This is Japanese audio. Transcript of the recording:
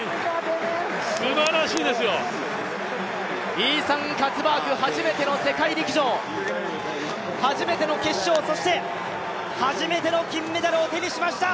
イーサン・カツバーグ、初めての世界陸上、初めての決勝、そして初めての金メダルを手にしました！